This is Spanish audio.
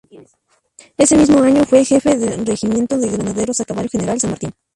Ese mismo año fue jefe del Regimiento de Granaderos a Caballo General San Martín.